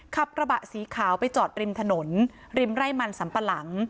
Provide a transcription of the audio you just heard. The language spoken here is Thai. ขับกระบะสีขาวไปจอดริมถนนริมไร่มันสัมปะหลัง